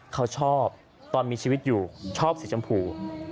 เขาชอบตอนมีชีวิตอยู่ชอบสีชมพู